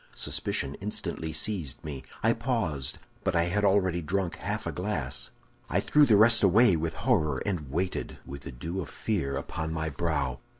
Suspicion instantly seized me. I paused, but I had already drunk half a glass. "I threw the rest away with horror, and waited, with the dew of fear upon my brow.